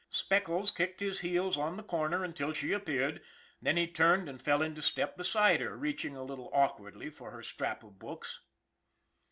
Speckles kicked his heels on the corner until she appeared; then he turned and fell into step beside her, reaching a little awkwardly for her strap of books.